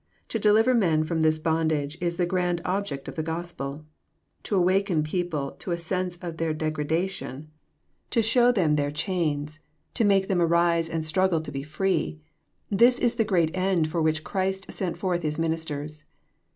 To deliver men from this bondage, is the grand object of the Gospel. To awaken people to a sense of their degradation, to show them theii JOHN, CHAP. vin. 103 chains, to make them arise and straggle to be free, — this is the great end for which Christ sent forth His ministers.